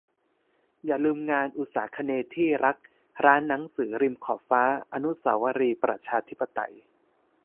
อย่าลืมงาน "อุษาคเนย์ที่รัก" ร้านหนังสือริมขอบฟ้า อนุเสาวรีย์ประชาธิปไตย